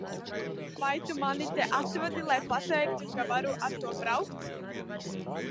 Vai tu mani te atvedi, lai pateiktu, ka varu ar to braukt?